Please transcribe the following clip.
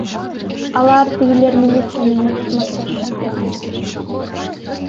Алар тигилер милиция менен кызматташышат деп эсептешет.